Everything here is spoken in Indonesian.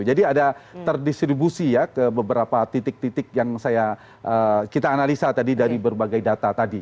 jadi ada terdistribusi ya ke beberapa titik titik yang saya kita analisa tadi dari berbagai data tadi